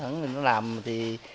nó làm thì